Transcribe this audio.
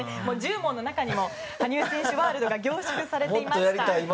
１０問の中にも羽生選手ワールドが凝縮されていました。